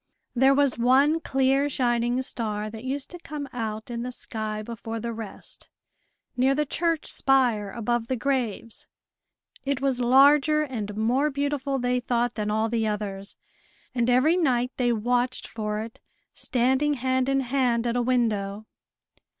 There was one clear shining star that used to come out in the sky before the rest, near the church spire, above the graves. It was larger and more beautiful, they thought, than all the others, and every night they watched for it, standing hand in hand at a window.